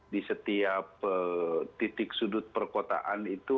di setiap titik sudut perkotaan itu